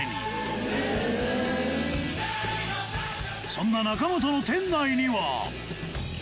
そんな中本の店内には